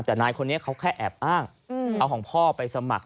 แต่นายคนนี้เขาแค่แอบอ้างเอาของพ่อไปสมัคร